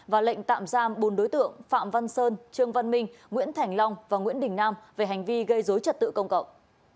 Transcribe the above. và lệnh tạm giam bốn đối tượng phạm văn sơn trương văn minh nguyễn thành long và nguyễn đình nam về hành vi gây dối trật tự công cộng